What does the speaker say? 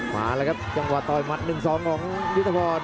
มาแล้วครับจังหวะต่อยหมัด๑๒ของยุทธพร